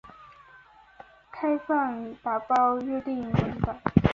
开放打包约定文档。